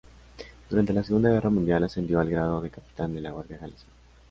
Durante la Segunda Guerra Mundial, ascendió al grado de capitán de la Guardia Galesa.